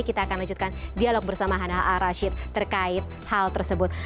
kita akan lanjutkan dialog bersama hana ar rashid terkait hal tersebut